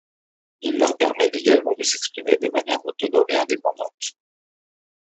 Il leur permet également de s’exprimer de manière autonome et indépendante.